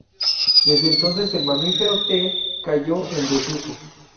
Desde entonces el mamífero "T." cayó en desuso.